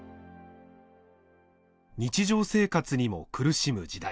日常生活にも苦しむ時代。